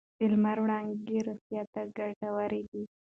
د لمر وړانګې روغتیا ته ګټورې دي.